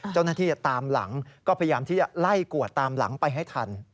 เจ้าหน้าที่ตามหลังก็พยายามที่จะไล่กวดตามหลังไปให้ทัน